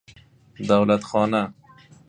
دولت خانه